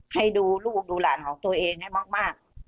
ให้ดูลูกดูหลานของตัวเองให้มาก